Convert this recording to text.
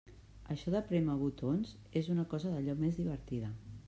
Això de prémer botons és una cosa d'allò més divertida.